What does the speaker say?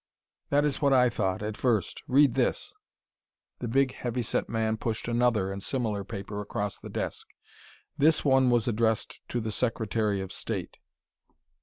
"That is what I thought at first. Read this " The big, heavy set man pushed another and similar paper across the desk. "This one was addressed to the Secretary of State."